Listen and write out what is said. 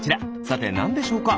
さてなんでしょうか？